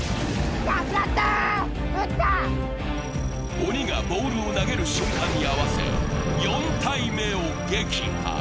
鬼がボールを投げる瞬間に合わせ、４体目を撃破。